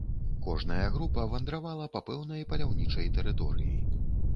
Кожная група вандравала па пэўнай паляўнічай тэрыторыі.